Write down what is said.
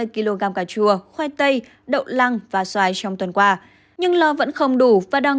hai mươi kg cà chua khoai tây đậu lăng và xoài trong tuần qua nhưng lo vẫn không đủ và đang